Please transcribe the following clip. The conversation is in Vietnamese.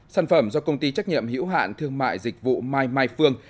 sản phẩm do công ty trách nhiệm hiểu hạn thương mại dịch vụ my my phương